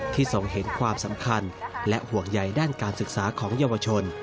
ทรงเห็นความสำคัญและห่วงใยด้านการศึกษาของเยาวชน